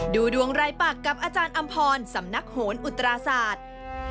ดูดวงรายปากกับอาจารย์อำพรสำนักโหนอุตราศาสตร์